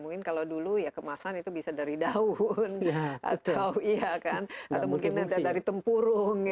mungkin kalau dulu ya kemasan itu bisa dari daun atau mungkin dari tempurung